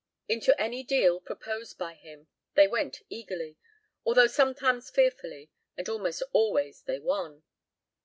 Into any deal proposed by him they went eagerly, although sometimes fearfully, and almost always they won.